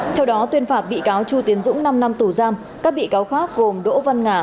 theo đó tuyên phạt bị cáo chu tiến dũng năm năm tù giam các bị cáo khác gồm đỗ văn ngà